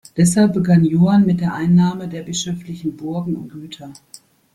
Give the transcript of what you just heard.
Deshalb begann Johann mit der Einnahme der bischöflichen Burgen und Güter.